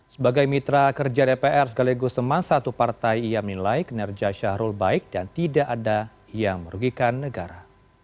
sebagai mitra kerja dpr segaligus teman satu partai ia menilai kinerja syahrul baik dan tidak ada yang merugikan negara